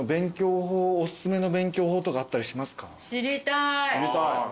知りたい。